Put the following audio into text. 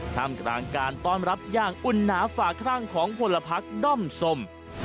ทำกลางการต้อนรับอย่างอุ่นหนาฝ่าครั่งของพลพักด้อมสม